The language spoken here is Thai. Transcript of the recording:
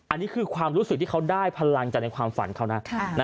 อันนี้คือความรู้สึกที่เขาได้พลังจากในความฝันเขานะ